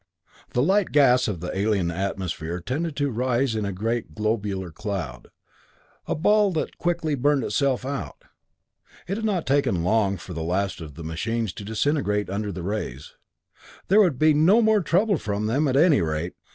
The light gas of the alien atmosphere tended to rise in a great globular cloud, a ball that quickly burned itself out. It had not taken long for the last of the machines to disintegrate under the rays. There would be no more trouble from them, at any rate!